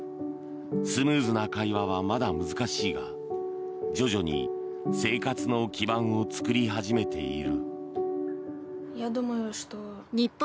スムーズな会話はまだ難しいが徐々に生活の基盤を作り始めている。